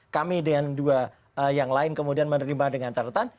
kami dengan dua yang lain kemudian menerima dengan catatan